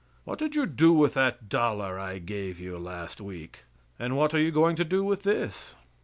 "What did you do with the dollar I gave you last week? And what are you going to do with this?"